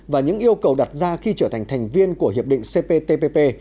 và những yêu cầu đặt ra khi trở thành thành viên của hiệp định cptpp